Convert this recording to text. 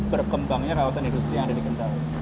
berkembangnya kawasan industri yang ada di kendal